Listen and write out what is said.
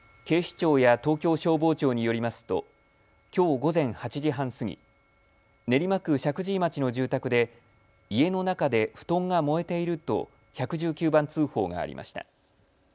警視庁や東京消防庁によりますときょう午前８時半過ぎ、練馬区石神井町の住宅で家の中で布団が燃えていると１１９番通報がありました。